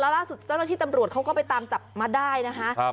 ล่าสุดเจ้าหน้าที่ตำรวจเขาก็ไปตามจับมาได้นะคะ